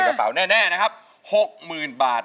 กระเป๋าแน่นะครับ๖๐๐๐บาท